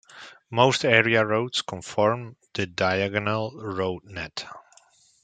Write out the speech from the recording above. Most area roads conform to the diagonal road net.